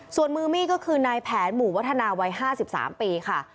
ส่วนมือมีดก็คือนายแผนหมู่วัฒนาวัย๕๓ปีค่ะ